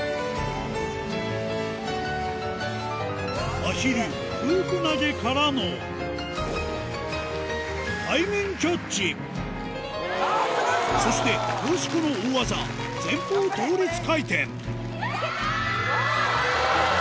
まひるフープ投げからの背面キャッチそしてよしこの大技前方倒立回転